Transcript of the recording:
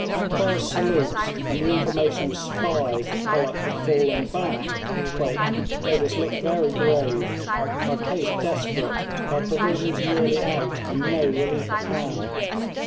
Akbar's salutes, and the information of spies that Pollock had fallen back, 'made us look very grave our case desperate, our provisions nearly out, and no relief at hand.